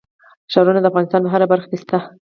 ښارونه د افغانستان په هره برخه کې شته.